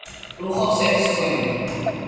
კრუხობს ერთ თვემდე.